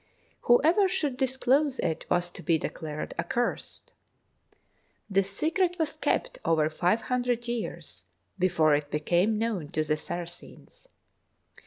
Whoever should disclose it was to be declared accursed. The secret was kept over five hundred years before it became known to the Sara cens.